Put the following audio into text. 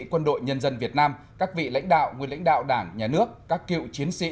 quân đội nhân dân việt nam các vị lãnh đạo nguyên lãnh đạo đảng nhà nước các cựu chiến sĩ